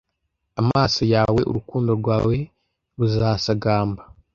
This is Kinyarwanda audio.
amaso yawe urukundo rwawe ruzasagamba